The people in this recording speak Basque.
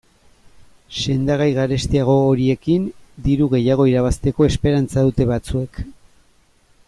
Sendagai garestiago horiekin diru gehiago irabazteko esperantza dute batzuek.